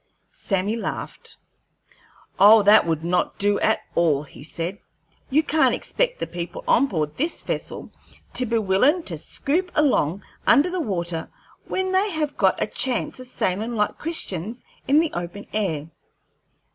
Sammy laughed. "Oh, that would not do at all," he said. "You can't expect the people on board this vessel to be willin' to scoop along under the water when they have got a chance of sailin' like Christians in the open air.